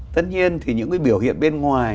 tất nhiên thì những cái biểu hiện bên ngoài